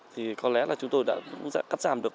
thì có lẽ là chúng tôi đã cắt giảm được